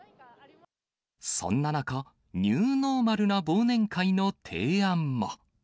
そんな中、ニューノーマルな忘年会の提案も。